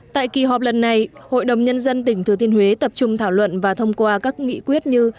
tại kỳ họp lần này hội đồng nhân dân tỉnh thừa thiên huế tập trung thảo luận và thông qua các nghị quyết như